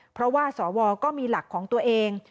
เพราะว่าสวก็มีหลักของตัวเอง